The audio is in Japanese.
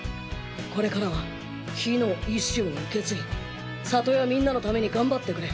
これからは火の意思を受け継ぎ里やみんなのために頑張ってくれ。